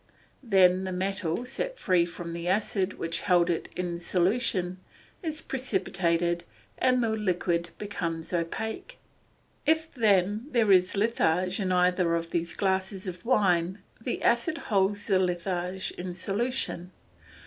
Then the metal, set free by the acid which held it in solution, is precipitated and the liquid becomes opaque. If then there is litharge in either of these glasses of wine, the acid holds the litharge in solution.